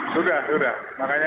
sudah sudah makanya